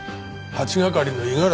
８係の五十嵐？